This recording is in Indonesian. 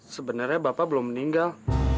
sebenarnya bapak belum meninggal